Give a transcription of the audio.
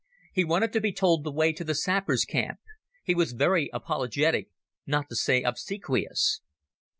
He wanted to be told the way to the sappers' camp. He was very apologetic, not to say obsequious.